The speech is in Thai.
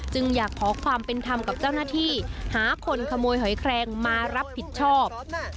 จึงอยากขอความเป็นธรรมกับเจ้าหน้าที่หาคนขโมยหอยแครงมารับผิดชอบ